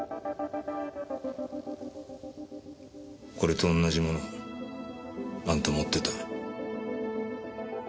これと同じものをあんた持ってた。